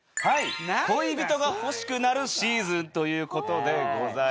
恋人が欲しくなるシーズンという事でございます。